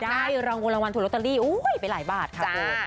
ได้รางวัลรางวัลถูกลอตเตอรี่ไปหลายบาทค่ะคุณ